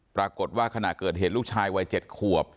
ปรากฏว่าขณะเกิดเหตุลูกชายวัย๗ขวบ